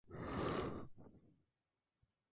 Parece que durante un tiempo se reconcilió con su esposo.